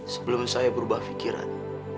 sebelum saya berubah fikiran